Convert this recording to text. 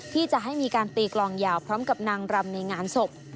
ที่จะให้มีการตีกลองยาวพร้อมกับนางรำในงานศพ